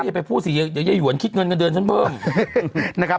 ก็อย่าไปพูดสิอย่าอย่าหย่วนคิดเงินกันเดินฉันเพิ่มนะครับ